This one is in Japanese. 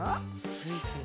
スイスイ。